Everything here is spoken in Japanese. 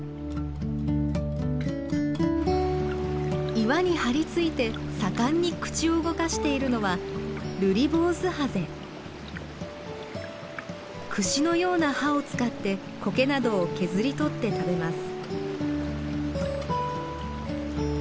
岩に張り付いて盛んに口を動かしているのは櫛のような歯を使ってコケなどを削り取って食べます。